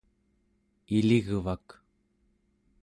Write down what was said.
iligvak